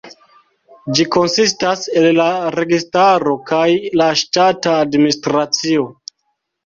Ĝi konsistas el la registaro kaj la ŝtata administracio.